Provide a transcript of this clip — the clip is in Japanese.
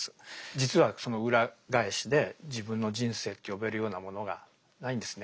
実はその裏返しで自分の人生と呼べるようなものがないんですね。